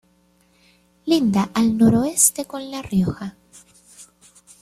Linda al noroeste con La Rioja.